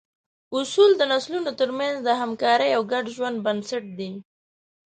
اصول د نسلونو تر منځ د همکارۍ او ګډ ژوند بنسټ دي.